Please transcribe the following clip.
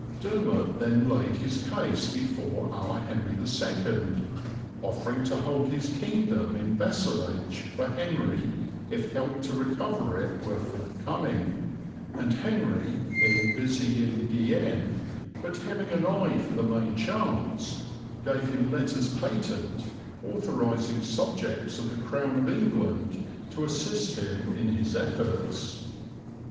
Dermot then laid his case before our Henry II, offering to hold his kingdom in vassalage for Henry, if help to recover it were forthcoming, and Henry, being busy in Guienne, but having an eye for the main chance, gave him letters patent authorizing subjects of the Crown of England to assist him in his efforts.